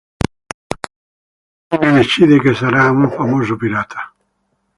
Ma alla fine decide che sarà un famoso pirata.